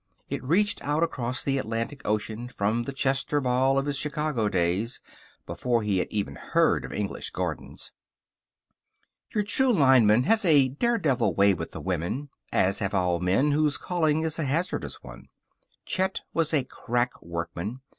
It reached out across the Atlantic Ocean from the Chester Ball of his Chicago days, before he had even heard of English gardens. Your true lineman has a daredevil way with the women, as have all men whose calling is a hazardous one. Chet was a crack workman.